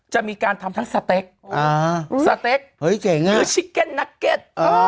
จะมีการทำทั้งสเต็กอ่าสเต็กเฮ้ยเก๋งอ่ะคือชิเก็นนักเก็ต